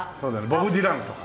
ボブ・ディランとか。